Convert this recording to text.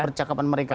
beri percakapan mereka